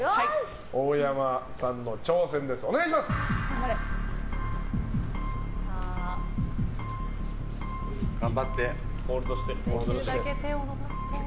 大山さんの挑戦です。頑張ってホールドして。